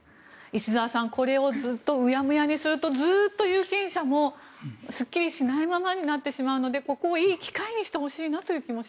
石澤さんこれをずっとうやむやにするとずっと有権者もすっきりしないままになってしまうのでここをいい機会にしてほしいなとも。